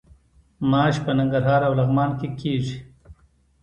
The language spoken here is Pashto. ماش په ننګرهار او لغمان کې کیږي.